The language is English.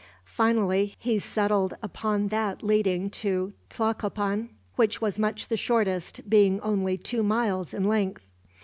Finally, he settled upon that leading to Tlacopan, which was much the shortest, being only two miles in length.